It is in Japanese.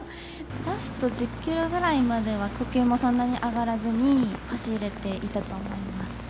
ラスト１０キロぐらいまでは呼吸もそんなに上がらずに走れていたと思います。